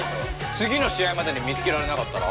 次の試合までに見つけられなかったら？